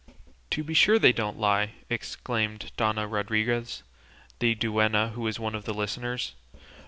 "To be sure they don't lie!" exclaimed Dona Rodriguez, the duenna, who was one of the listeners.